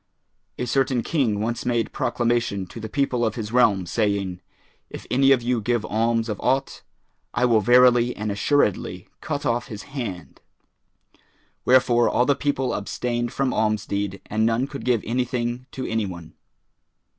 A certain King once made proclamation to the people of his realm saying, "If any of you give alms of aught, I will verily and assuredly cut off his hand;" wherefore all the people abstained from alms deed, and none could give anything to any one.